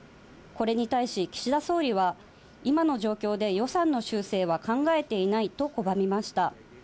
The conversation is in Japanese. これに対し岸田総理は、今の状況で予算の修正は考えていないと拒みました。